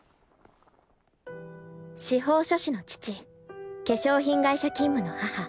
司法書士の父化粧品会社勤務の母。